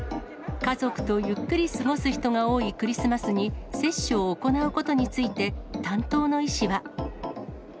家族とゆっくり過ごす人が多いクリスマスに接種を行うことについて、担当の医師は。